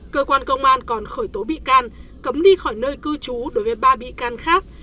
cơ quan công an còn khởi tố bị can cấm đi khỏi nơi cư trú đối với ba bị can khác